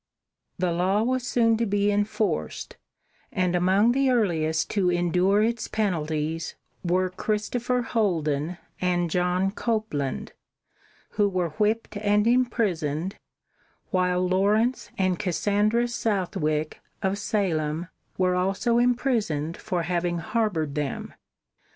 The law was soon to be enforced, and among the earliest to endure its penalties were Christopher Holden and John Copeland, who were whipped and imprisoned, while Lawrence and Cassandra Southwick, of Salem, were also imprisoned for having harbored them.